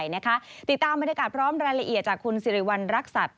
ติดตามบรรยากาศพร้อมรายละเอียดจากคุณสิริวัณรักษัตริย